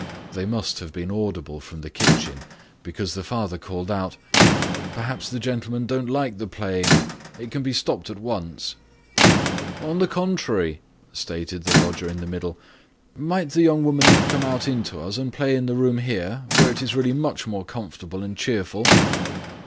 They must have been audible from the kitchen, because the father called out "Perhaps the gentlemen don't like the playing? It can be stopped at once." "On the contrary," stated the lodger in the middle, "might the young woman not come into us and play in the room here, where it is really much more comfortable and cheerful?"